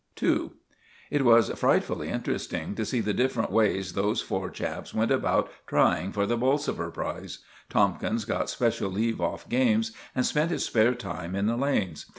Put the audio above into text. *II* It was frightfully interesting to see the different ways those four chaps went about trying for the 'Bolsover' prize. Tomkins got special leave off games, and spent his spare time in the lanes.